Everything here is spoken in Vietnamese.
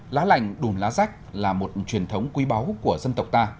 lá lành đùm lá rách là một truyền thống quý báu của dân tộc ta